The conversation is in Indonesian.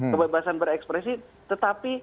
kebebasan berekspresi tetapi